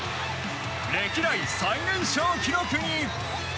歴代最年少記録に。